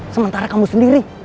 sementara kamu sendiri